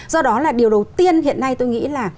do đó là điều đầu tiên hiện nay tôi nghĩ là